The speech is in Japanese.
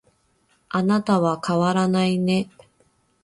あなたは変わらないね